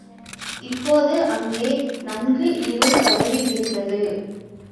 இப்போது அங்கே நன்கு இருள் பரவியிருந்தது.